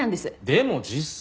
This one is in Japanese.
でも実際。